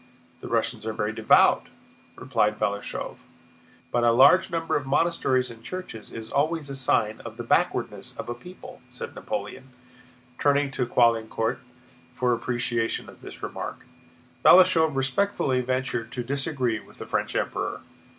"The Russians are very devout," replied Balashëv. "But a large number of monasteries and churches is always a sign of the backwardness of a people," said Napoleon, turning to Caulaincourt for appreciation of this remark. Balashëv respectfully ventured to disagree with the French Emperor.